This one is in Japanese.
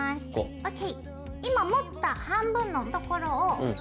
ＯＫ。